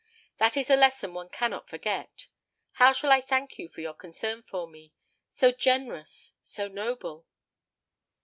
That is a lesson one cannot forget. How shall I thank you for your concern for me? so generous, so noble!"